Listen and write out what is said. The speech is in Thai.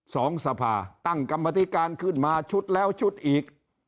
สภาตั้งกรรมธิการขึ้นมาชุดแล้วชุดอีก